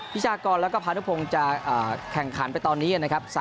ชากรแล้วก็พานุพงศ์จะแข่งขันไปตอนนี้นะครับ